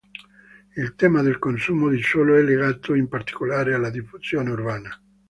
Il tema del consumo di suolo è legato in particolare alla diffusione urbana.